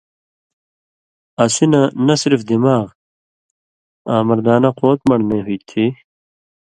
اسی نہ نہ صرف دماغ آں مردانہ قوت من٘ڑنئی ہُوئ تھی۔